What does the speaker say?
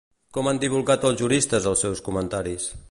Com han divulgat els juristes els seus comentaris?